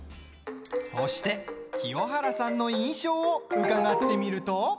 そして清原さんの印象を伺ってみると。